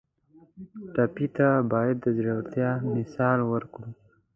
ټپي ته باید د زړورتیا مثال ورکړو.